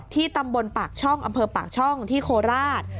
ตำบลปากช่องอำเภอปากช่องที่โคราช